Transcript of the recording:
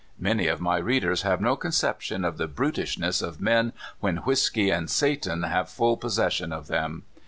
Many of my readers have no conception of the brutishness of men when whisky and Satan have full possession of them.